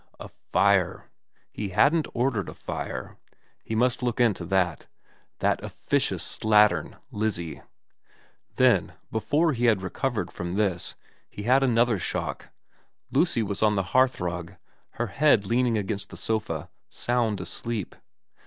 A fire. He hadn't ordered a fire. He must look into that. That officious slattern Lizzie Then, before he had recovered from this, he had another shock. Lucy was on the hearthrug, her head leaning against the sofa, sound asleep.